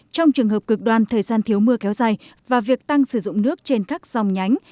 trong trường hợp cực đoan thời gian thiếu mưa kéo dài và việc tăng sử dụng nước trên các dòng nhánh